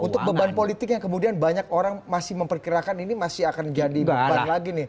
untuk beban politik yang kemudian banyak orang masih memperkirakan ini masih akan jadi beban lagi nih